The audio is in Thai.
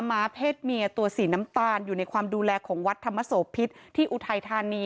ม้าเพศเมียตัวสีน้ำตาลอยู่ในความดูแลของวัดธรรมโสพิษที่อุทัยธานี